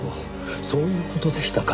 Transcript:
そういう事でしたか。